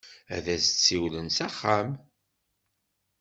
Ad as-d-siwlen s axxam.